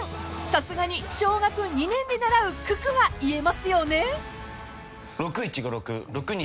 ［さすがに小学２年で習う九九は言えますよね？］